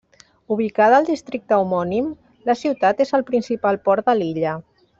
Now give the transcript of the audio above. Ubicada al districte homònim, la ciutat és el principal port de l'illa.